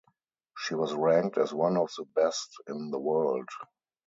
She was ranked as one of the best in the world.